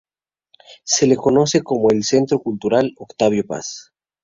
Se le conoce como el Centro Cultural Octavio Paz.